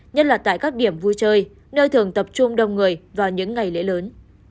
nhất là tại các điểm vui chơi nơi thường tập trung đông người vào những ngày lễ lớn